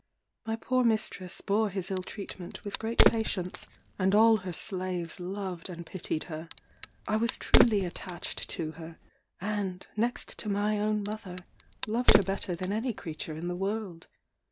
My poor mistress bore his ill treatment with great patience, and all her slaves loved and pitied her. I was truly attached to her, and, next to my own mother, loved her better than any creature in the world.